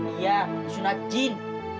iya disunat jin